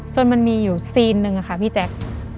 มันมีอยู่ซีนหนึ่งค่ะพี่แจ๊ค